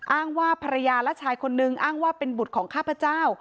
อ้างว่าภรรยาและชายคนนึงอ้างว่าเป็นบุตรของข้าพเจ้า